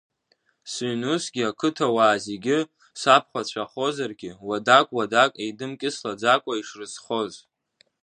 Сыҩн усгьы, ақыҭауаа зегьы сабхәацәахозаргьы, уадак-уадак еидымкьыслаӡакәа ишрызхоз.